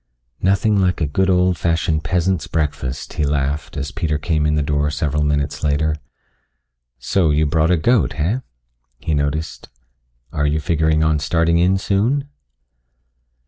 "Nothing like a good old fashioned peasant's breakfast," he laughed as Peter came in the door several minutes later. "So, you brought a goat, heh?" he noticed. "Are you figuring on starting in soon?"